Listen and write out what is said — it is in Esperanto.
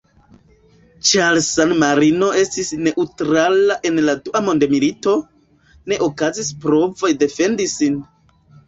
Ĉar San-Marino estis neŭtrala en la dua mondmilito, ne okazis provoj defendi sin.